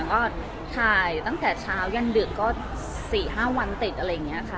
ก็ถ่ายตั้งแต่เช้ายันดึกก็๔๕วันติดอะไรอย่างนี้ค่ะ